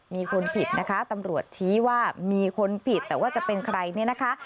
มีคนผิดนะคะตำรวจชี้ว่ามีคนผิดแต่ว่าจะเป็นใครเนี่ยนะคะ